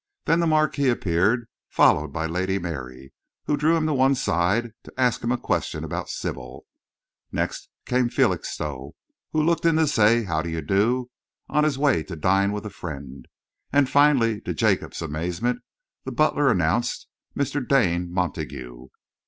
Then the Marquis appeared, followed by Lady Mary, who drew him to one side to ask him questions about Sybil; next came Felixstowe, who looked in to say "How do you do" on his way to dine with a friend; and finally, to Jacob's amazement, the butler announced, "Mr. Dane Montague!"